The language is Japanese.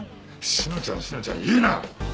志乃ちゃん志乃ちゃん言うな！